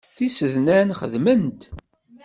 Tisednan xeddment.